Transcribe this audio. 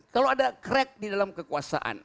kalau ada crack di dalam kekuasaan